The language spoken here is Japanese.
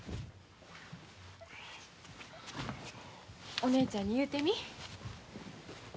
お姉ちゃんに言うてみ。